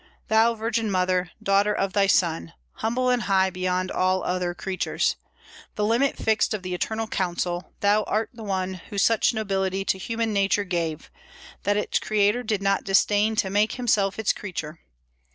"Thou virgin mother, daughter of thy Son, Humble and high beyond all other creatures, The limit fixed of the eternal counsel, Thou art the one who such nobility To human nature gave, that its Creator Did not disdain to make himself its creature.